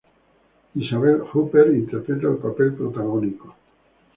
Isabelle Huppert interpreta el papel protagónico.